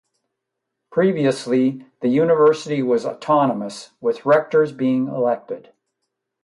Previously, the university was autonomous with rectors being elected.